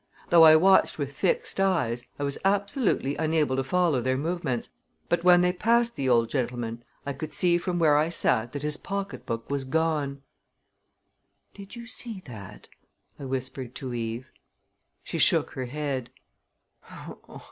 Though I watched with fixed eyes I was absolutely unable to follow their movements, but when they had passed the old gentleman I could see from where I sat that his pocketbook was gone. "Did you see that?" I whispered to Eve. She shook her head.